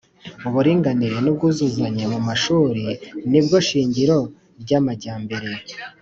Uburinganire n’ubwuzuzanye mu mashuri ni bwo shingiro ry’amajyambere